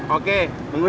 oke nunggu ya